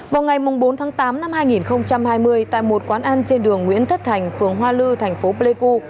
vào ngày bốn tháng tám năm hai nghìn hai mươi tại một quán ăn trên đường nguyễn thất thành phường hoa lư thành phố pleiku